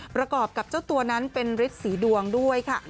ประกอบกับเจ้าตัวนั้นเป็นฤทธิสีดวงด้วยค่ะ